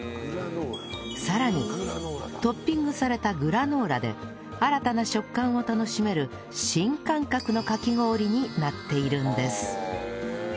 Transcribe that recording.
さらにトッピングされたグラノーラで新たな食感を楽しめる新感覚のかき氷になっているんです